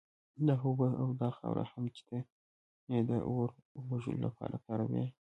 دغه اوبه او دا خاوره هم چي ته ئې د اور وژلو لپاره كاروې